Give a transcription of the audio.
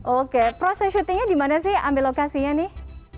oke proses syutingnya di mana sih ambil lokasinya nih